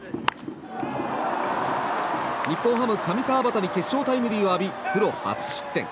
日本ハム、上川畑に決勝タイムリーを浴びプロ初失点。